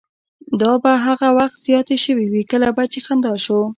دا به هغه وخت زیاتې شوې کله به چې په خندا شو.